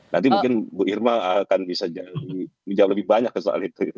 nanti mungkin bu irma akan bisa menjawab lebih banyak soal itu